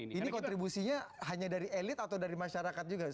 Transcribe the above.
ini kontribusinya hanya dari elit atau dari masyarakat juga